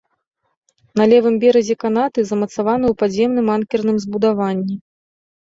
На левым беразе канаты замацаваны ў падземным анкерным збудаванні.